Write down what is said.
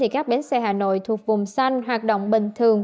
các bến xe hà nội thuộc vùng xanh hoạt động bình thường